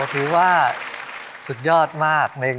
ถือว่าสุดยอดมาก